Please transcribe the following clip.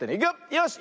よし。